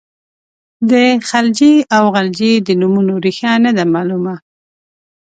د خلجي او غلجي د نومونو ریښه نه ده معلومه.